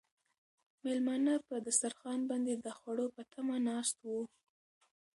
مېلمانه په دسترخوان باندې د خوړو په تمه ناست وو.